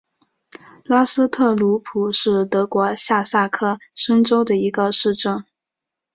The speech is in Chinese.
拉斯特鲁普是德国下萨克森州的一个市镇。